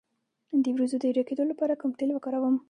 د وروځو د ډکیدو لپاره کوم تېل وکاروم؟